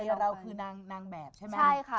ใจเราคือนางแบบใช่ไหม